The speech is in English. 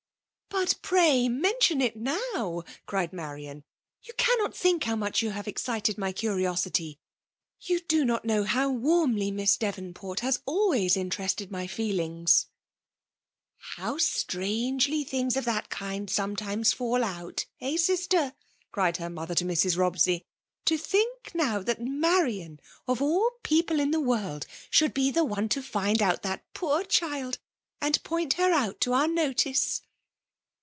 "'♦' But pray mention it now !" cried Marian :" you cannot think how much you have ex cited my curiosity ;— ^you do not know how warmly Miss Davenport has always interested my* fedings !"" How strangely things of that kind some* times &11 out^ — eh, sister ?'' cried her mother to Mrs. Robsey. " To think> now, that Marian, of all people in the world, should be the one to find out that poor child, and to point her out to oiur notice